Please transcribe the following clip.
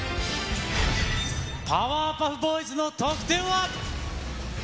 パワーパフボーイズの得点は。